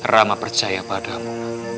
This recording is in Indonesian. rama percaya padamu